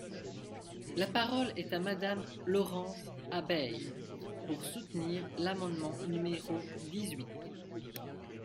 La parole est à Madame Laurence Abeille, pour soutenir l’amendement numéro dix-huit.